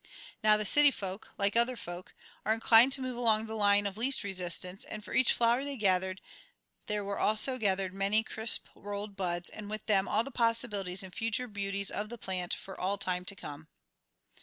Now the city folk, like other folk, are inclined to move along the line of least resistance, and for each flower they gathered, there were also gathered many crisp rolled buds and with them all the possibilities and future beauties of the plant for all time to come.